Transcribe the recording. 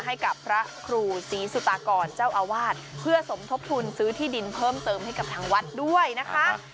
ให้กับพระครูศรีสุตากรเจ้าอาวาสเพื่อสมทบทุนซื้อที่ดินเพิ่มเติมให้กับทางวัดด้วยนะคะ